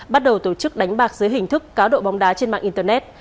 bắt đầu tổ chức đánh bạc dưới hình thức cá độ bóng đá trên mạng internet